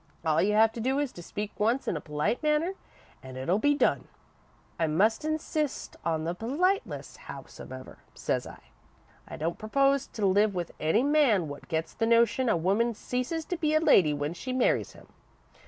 All you have to do is to speak once in a polite manner and it'll be done. I must insist on the politeness, howsumever,' says I. 'I don't propose to live with any man what gets the notion a woman ceases to be a lady when she marries him.